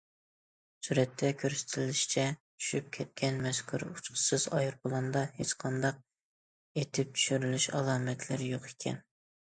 سۈرەتتە كۆرسىتىلىشىچە، چۈشۈپ كەتكەن مەزكۇر ئۇچقۇچىسىز ئايروپىلاندا ھېچقانداق ئېتىپ چۈشۈرۈلۈش ئالامەتلىرى يوق ئىكەن.